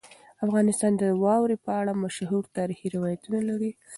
افغانستان د واورې په اړه مشهور تاریخي روایتونه لري.